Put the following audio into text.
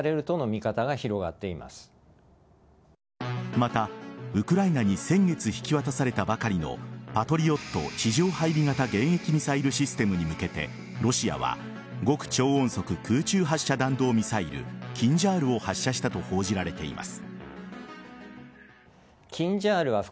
また、ウクライナに先月引き渡されたばかりのパトリオット地上配備型迎撃ミサイルシステムに向けてロシアは極超音速空中発射弾道ミサイルキンジャールを発射したと報じられています。